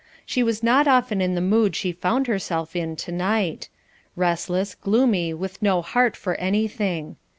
She was not often in the mood she found herself in tonight: restless, gloomy, with no heart for anything.